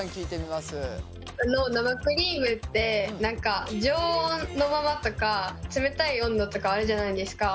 あの生クリームって常温のままとか冷たい温度とかあるじゃないですか。